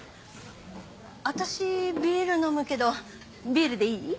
私ビール飲むけどビールでいい？